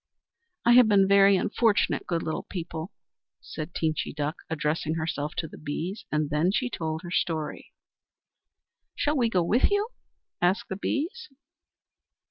"I have been very unfortunate, good little people," said Teenchy Duck, addressing herself to the Bees, and then she told her story. "Shall we go with you?" asked the Bees.